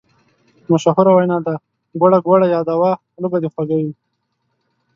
مشهوره وینا ده: ګوړه ګوړه یاده وه خوله به دې خوږه وي.